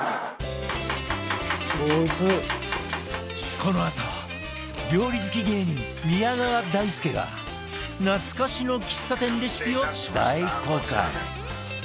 このあと料理好き芸人宮川大輔が懐かしの喫茶店レシピを大公開